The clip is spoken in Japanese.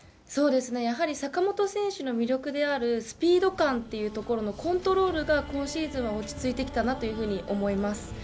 そうですね、やはり坂本選手の魅力であるスピード感というところのコントロールが、今シーズンは落ち着いてきたなというふうに思います。